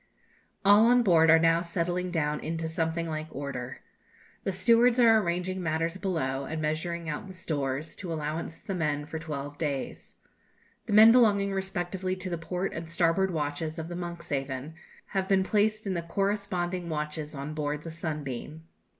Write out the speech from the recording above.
All on board are now settling down into something like order. The stewards are arranging matters below, and measuring out the stores, to allowance the men for twelve days. The men belonging respectively to the port and starboard watches of the 'Monkshaven' have been placed in the corresponding watches on board the 'Sunbeam.'